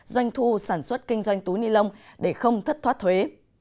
doanh thu sản xuất kinh doanh túi ni lông để không thất thoát thuế